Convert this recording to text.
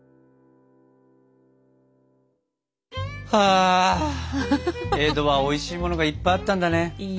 あ江戸はおいしいものがいっぱいあったんだね。